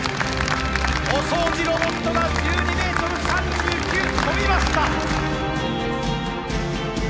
お掃除ロボットが１２メートル３９跳びました。